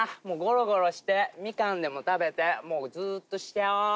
もうゴロゴロしてみかんでも食べてもうずーっとしちゃお